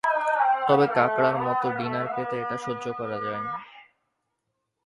তবে কাঁকড়ার মত ডিনার পেতে এটা সহ্য করা যায়।